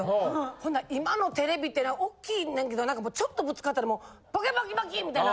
ほな今のテレビって大きいねんけどちょっとぶつかったらもうバキバキバキみたいに。